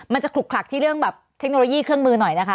จะขลุกขลักที่เรื่องแบบเทคโนโลยีเครื่องมือหน่อยนะคะ